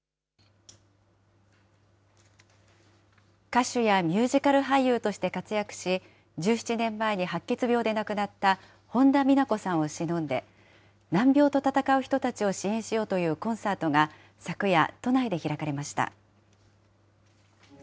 歌手やミュージカル俳優として活躍し、１７年前に白血病で亡くなった本田美奈子．さんをしのんで、難病と闘う人たちを支援しようというコンサートが昨夜、都内で開かれました。